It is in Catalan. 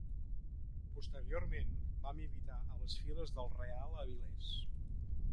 Posteriorment, va militar a les files del Real Avilés.